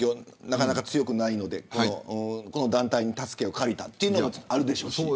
なかなか強くないのでこの団体に助けを借りたというのがあるでしょうし。